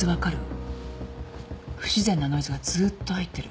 不自然なノイズがずっと入ってる。